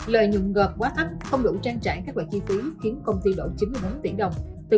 lợi nhuận gọt quá thấp không đủ trang trải các loại chi phí khiến công ty lỗ chín mươi bốn tỷ đồng từ